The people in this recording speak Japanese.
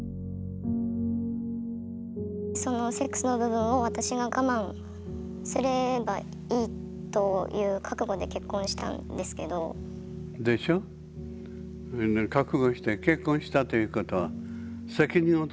そのセックスの部分を私が我慢すればいいという覚悟で結婚したんですけど。